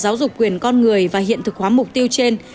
giáo dục quyền con người và hiện thực hóa mục tiêu trên